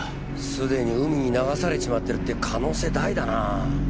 すでに海に流されちまってるって可能性大だなぁ。